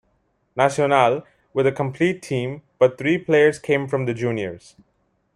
Nacional, with a complete team, but three players came from the juniors.